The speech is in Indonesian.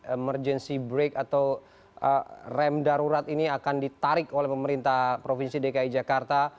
emergency break atau rem darurat ini akan ditarik oleh pemerintah provinsi dki jakarta